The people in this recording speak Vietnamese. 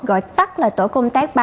và bố trí lực lượng tuần tra